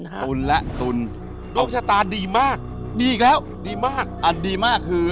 ฮะตุ่นล่ะตุ่นโรคชะตาดีมากดีอีกแล้วดีมากอ่าดีมากคือ